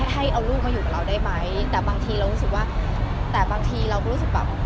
ให้เอาลูกมาอยู่กับเราได้ไหมแต่บางทีเรารู้สึกว่าแต่บางทีเราก็รู้สึกแบบ